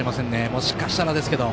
もしかしたらですけど。